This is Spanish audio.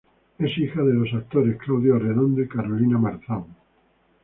Es hija de los actores Claudio Arredondo y Carolina Marzán.